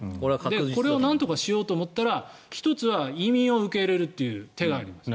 これをなんとかしようと思ったら１つは移民を受け入れるという手があります。